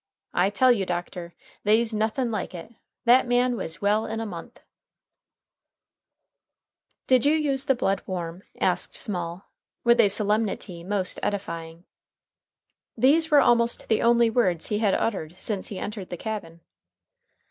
I tell you, doctor, they's nothin' like it. That man was well in a month." [Illustration: MRS. MEANS] "Did you use the blood warm?" asked Small, with a solemnity most edifying. These were almost the only words he had uttered since he entered the cabin.